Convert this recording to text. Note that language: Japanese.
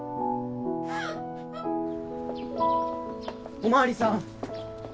お巡りさん！